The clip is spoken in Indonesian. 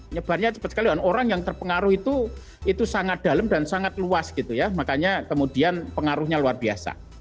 nyebarnya cepat sekali orang yang terpengaruh itu itu sangat dalam dan sangat luas gitu ya makanya kemudian pengaruhnya luar biasa